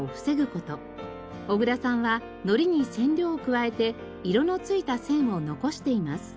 小倉さんはのりに染料を加えて色の付いた線を残しています。